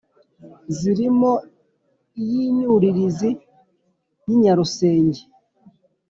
Zirimo iy'inyurizi yinyarusenge